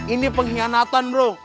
ini pengkhianatan bro